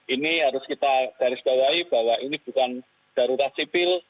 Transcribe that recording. ini harus kita garisbawahi bahwa ini bukan darurat sipil